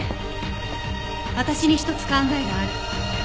私にひとつ考えがある。